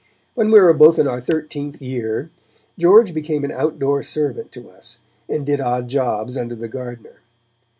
When we were both in our thirteenth year, George became an outdoor servant to us, and did odd jobs under the gardener.